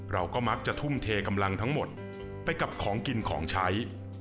เราก็มักจะทุ่มเทกำลังทั้งหมดไปกับของกินของใช้